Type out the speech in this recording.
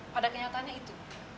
pada kenyataannya itu